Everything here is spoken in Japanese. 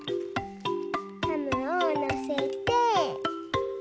ハムをのせて。